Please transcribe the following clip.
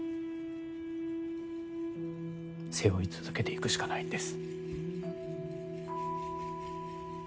背負い続けていくしかないんです。